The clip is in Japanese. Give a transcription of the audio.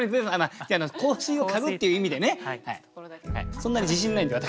そんなに自信ないんで私。